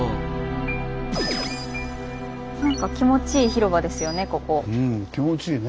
なんか気持ちいい広場ですよね